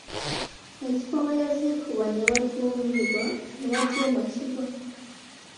Ekifo we yaziikibwa ne watuumwa Kibwa.